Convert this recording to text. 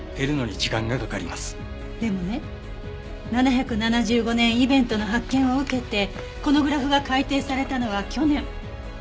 でもね７７５年イベントの発見を受けてこのグラフが改定されたのは去年。